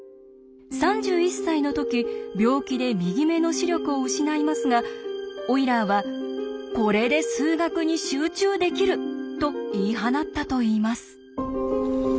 ３１歳の時病気で右目の視力を失いますがオイラーは「これで数学に集中できる」と言い放ったといいます。